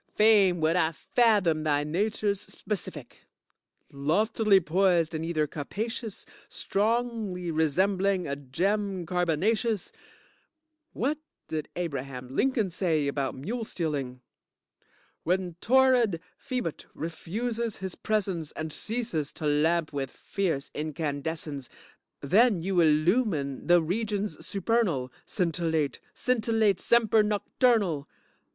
Fain would I fathom thy nature's specific. Loftily poised in ether capacious, strongly resembling a gem carbonacious. What did Abraham Lincoln say about mule stealing? When torrid Phoebut refuses his presence and ceases to lamp with fierce incandescence, then you illumine the regions supernal, scintillate, scintillate, semper noctornal.